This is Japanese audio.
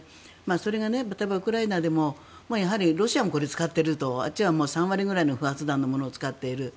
それがウクライナでもロシアもこれを使っているとあっちは３割ぐらいの不発弾のものを使っている。